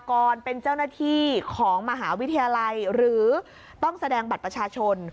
เป็นเจ้าหน้าที่ของมหาวิทยาลัยหรือต้องแสดงบัตรประชาชน